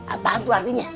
apaan tuh artinya